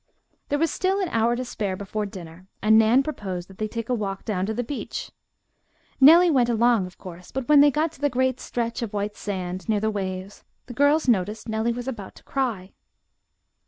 There was still an hour to spare before dinner, and Nan proposed that they take a walk down to the beach. Nellie went along, of course, but when they got to the great stretch of white sand, near the waves, the girls noticed Nellie was about to cry.